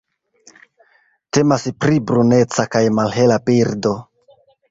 Temas pri bruneca kaj malhela birdo.